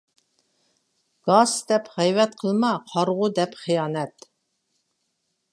گاس دەپ غەيۋەت قىلما، قارىغۇ دەپ خىيانەت.